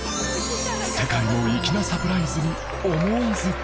世界の粋なサプライズに思わず